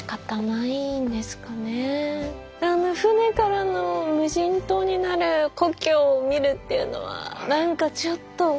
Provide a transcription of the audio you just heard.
あの船からの無人島になる故郷を見るっていうのは何かちょっと。